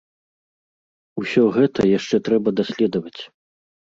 Усё гэта яшчэ трэба даследаваць.